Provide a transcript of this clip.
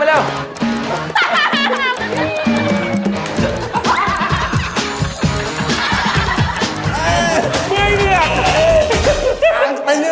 มือดี